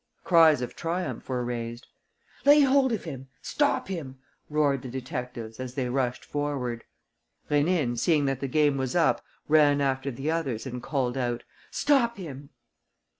Cries of triumph were raised: "Lay hold of him! Stop him!" roared the detectives as they rushed forward. Rénine, seeing that the game was up, ran after the others and called out: "Stop him!"